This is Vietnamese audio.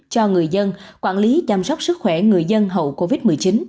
cho người dân quản lý chăm sóc sức khỏe người dân hậu covid một mươi chín